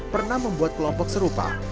pernah membuat kelompok serupa